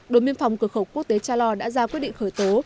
đồn biên phòng cửa khẩu quốc tế cha lo đã ra quyết định khởi tố